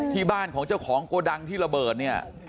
ที่บ้านของเจ้าของโกดังที่ระเบิดเนี่ย